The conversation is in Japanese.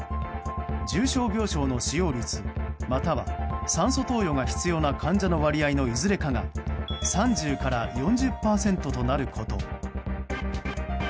重症病床の使用率または酸素投与が必要な患者の割合のいずれかが３０から４０％となること。